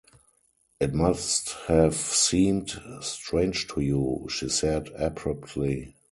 “It must have seemed strange to you,” she said abruptly.